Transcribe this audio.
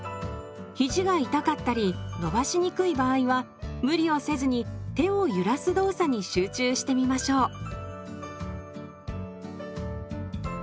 ひじが痛かったり伸ばしにくい場合は無理をせずに手を揺らす動作に集中してみましょう。